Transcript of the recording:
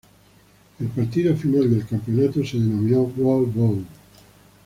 El partido final del campeonato se denominó World Bowl.